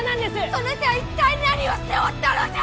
そなた一体何をしておったのじゃ！